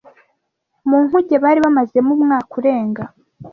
Mu nkuge bari bamazemo umwaka urenga